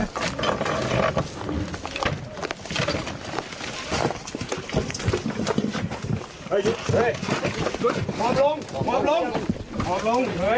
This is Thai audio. สวัสดีครับคุณผู้ชาย